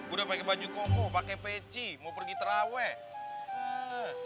udah pake baju koko pake peci mau pergi terawet